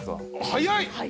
早い。